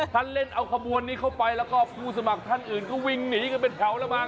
ท่านเล่นเอาขบวนนี้เข้าไปแล้วก็ผู้สมัครท่านอื่นก็วิ่งหนีกันเป็นแถวแล้วมั้